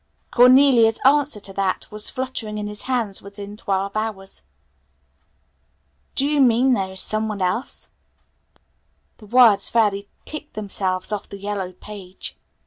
Cornelia's answer to that was fluttering in his hands within twelve hours. "Do you mean that there is someone else?" The words fairly ticked themselves off the yellow page.